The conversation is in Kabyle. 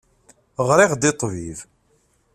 Ɣriɣ-d i ṭṭbib.